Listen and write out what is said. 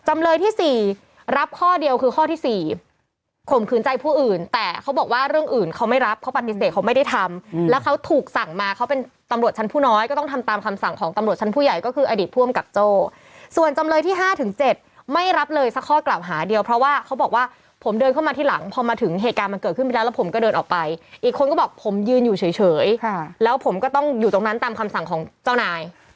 ไม่รับเพราะปฏิเสธเขาไม่ได้ทำแล้วเขาถูกสั่งมาเขาเป็นตำรวจชั้นผู้น้อยก็ต้องทำตามคำสั่งของตำรวจชั้นผู้ใหญ่ก็คืออดีตผู้อำกับโจ้ส่วนจำเลยที่๕ถึง๗ไม่รับเลยสักข้อกลับหาเดียวเพราะว่าเขาบอกว่าผมเดินเข้ามาที่หลังพอมาถึงเหตุการณ์มันเกิดขึ้นไปแล้วผมก็เดินออกไปอีกคนก็บอกผมยืนอยู่เฉย